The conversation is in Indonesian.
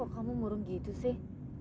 kamu murung gitu sih